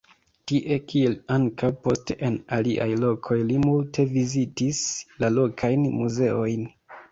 Tie, kiel ankaŭ poste en aliaj lokoj li multe vizitis la lokajn muzeojn.